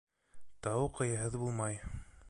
Тау ҡыяһыҙ булмай